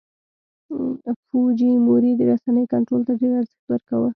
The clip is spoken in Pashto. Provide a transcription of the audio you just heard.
فوجیموري د رسنیو کنټرول ته ډېر ارزښت ورکاوه.